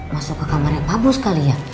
masuk ke kamarnya pa bos kali ya